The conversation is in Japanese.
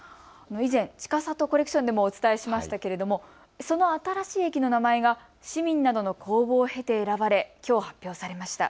以前、ちかさとコレクションでもお伝えしましたけれども、その新しい駅の名前が市民などの公募を経て選ばれ、きょう発表されました。